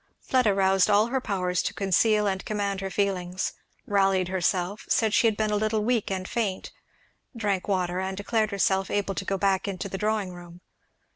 Fleda roused all her powers to conceal and command her feelings; rallied herself; said she had been a little weak and faint; drank water, and declared herself able to go back into the drawing room.